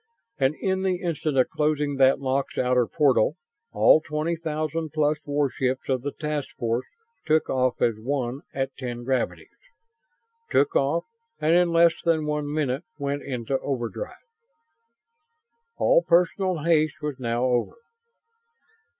And, in the instant of closing that lock's outer portal, all twenty thousand plus warships of the task force took off as one at ten gravities. Took off, and in less than one minute went into overdrive. All personal haste was now over.